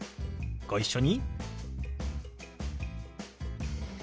ご一緒に。